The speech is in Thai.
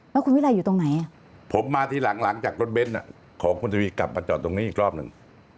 แล้วคุณวิรัยอยู่ตรงไหนผมมาทีหลังหลังจากรถเบ้นของคุณทวีกลับมาจอดตรงนี้อีกรอบหนึ่ง